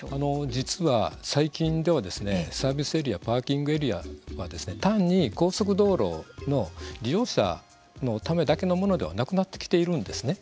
実は、最近ではサービスエリアパーキングエリアは単に高速道路の利用者のためだけのものではなくなってきているんですね。